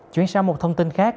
chuyển sang một thông tin khác